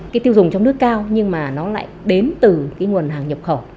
cái tiêu dùng trong nước cao nhưng mà nó lại đến từ cái nguồn hàng nhập khẩu